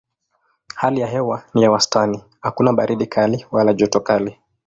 Hali ya hewa ni ya wastani: hakuna baridi kali wala joto kali.